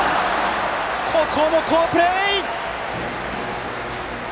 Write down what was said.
ここも好プレー！